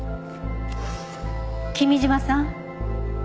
君嶋さん。